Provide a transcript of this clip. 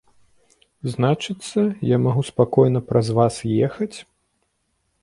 Значыцца, я магу спакойна праз вас ехаць?